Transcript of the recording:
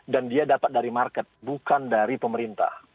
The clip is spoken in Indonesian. dan dia dapat dari market bukan dari pemerintah